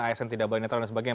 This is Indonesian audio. asn tidak bernetral dan sebagainya